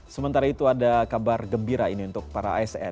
sementara itu ada kabar gembira ini untuk para asn